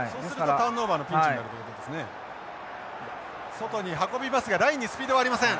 外に運びますがラインにスピードがありません。